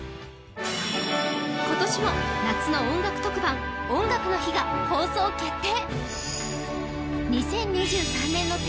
今年も夏の音楽特番「音楽の日」が放送決定。